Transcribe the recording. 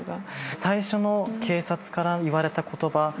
最初の警察から言われた言葉。